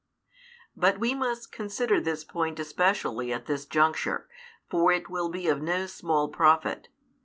But we must consider this point especially at this juncture, for it will be of no small profit.